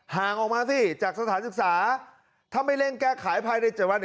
ห่างออกมาสิจากสถานศึกษาถ้าไม่เร่งแก้ไขภายใน๗วัน